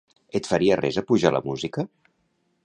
Et faria res apujar la música?